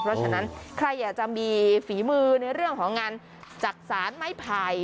เพราะฉะนั้นใครอยากจะมีฝีมือในเรื่องของงานจักษานไม้ไผ่